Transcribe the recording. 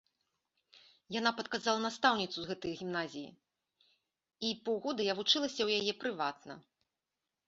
Яна падказала настаўніцу з гэтай гімназіі, і паўгода я вучылася ў яе прыватна.